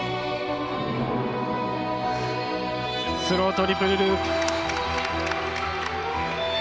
スロートリプルループ。